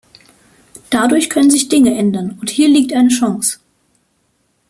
Dadurch können sich Dinge ändern, und hier liegt eine Chance.